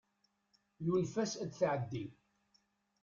Yunef-as ad tɛeddi.